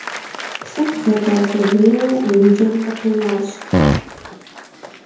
Псым къыхадза бдзэжьейуэ ныджэм къытенащ.